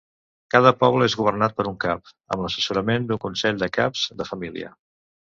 Cada poble és governat per un cap, amb l'assessorament d'un consell de caps de família.